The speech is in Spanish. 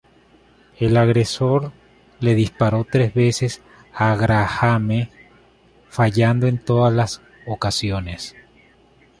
El agresor le disparó tres veces a Grahame, fallando en todas las ocasiones.